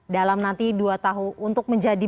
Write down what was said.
dalam nanti dua tahun untuk menjadi